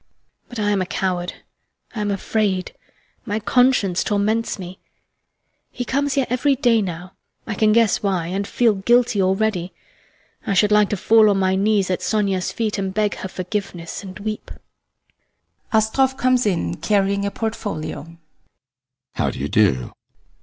But I am a coward, I am afraid; my conscience torments me. He comes here every day now. I can guess why, and feel guilty already; I should like to fall on my knees at Sonia's feet and beg her forgiveness, and weep. ASTROFF comes in carrying a portfolio. ASTROFF. How do you do?